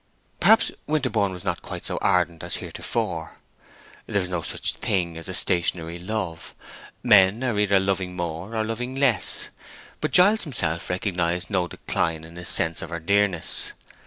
Perhaps Winterborne was not quite so ardent as heretofore. There is no such thing as a stationary love: men are either loving more or loving less. But Giles himself recognized no decline in his sense of her dearness.